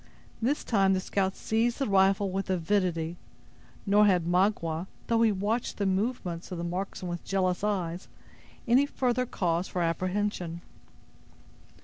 This time the scout seized the rifle with avidity; nor had Magua, though he watched the movements of the marksman with jealous eyes, any further cause for apprehension.